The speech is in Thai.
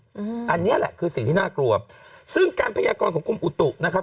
อืมอันเนี้ยแหละคือสิ่งที่น่ากลัวซึ่งการพยากรของกรมอุตุนะครับ